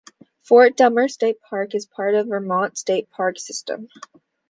Fort Dummer State Park is part of the Vermont State Park system.